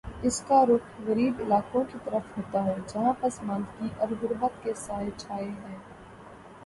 اس کا رخ غریب علاقوں کی طرف ہوتا ہے، جہاں پسماندگی اور غربت کے سائے چھائے ہیں۔